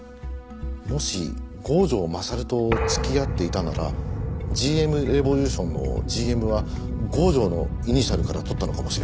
もし郷城勝と付き合っていたならＧＭレボリューションのＧＭは郷城のイニシャルから取ったのかもしれませんけど。